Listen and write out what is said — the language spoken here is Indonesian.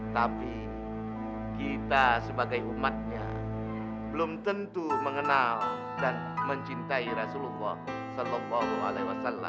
tapi kita sebagai umatnya belum tentu mengenal dan mencintai rasulullah saw